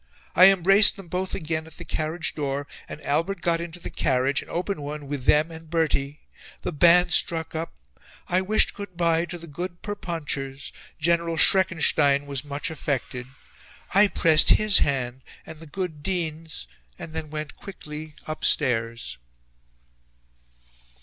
I embraced them both again at the carriage door, and Albert got into the carriage, an open one, with them and Bertie... The band struck up. I wished good bye to the good Perponchers. General Schreckenstein was much affected. I pressed his hand, and the good Dean's, and then went quickly upstairs."